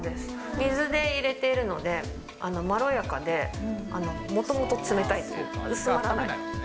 水でいれているので、まろやかで、もともと冷たいという、薄まらない。